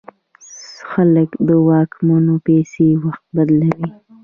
خلک د واکمنو پسې وخت بدلوي.